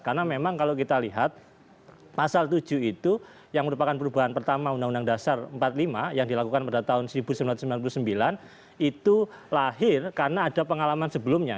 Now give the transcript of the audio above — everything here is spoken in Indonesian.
karena memang kalau kita lihat pasal tujuh itu yang merupakan perubahan pertama undang undang dasar empat puluh lima yang dilakukan pada tahun seribu sembilan ratus sembilan puluh sembilan itu lahir karena ada pengalaman sebelumnya